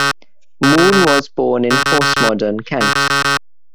Moon was born in Horsmonden, Kent.